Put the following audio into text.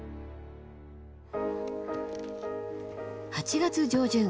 ８月上旬。